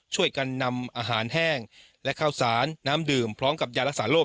ช่วยกันนำอาหารแห้งและข้าวสารน้ำดื่มพร้อมกับยารักษาโรค